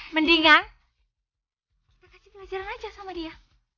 mendingan kita belajar aja sama dia